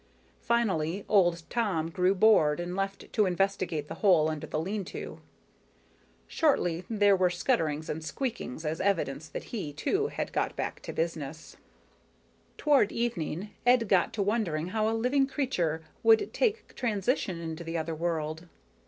Finally old Tom grew bored and left to investigate the hole under the lean to. Shortly there were scutterings and squeakings as evidence that he, too, had got back to business. Toward evening, Ed got to wondering how a living creature would take transition into the other world.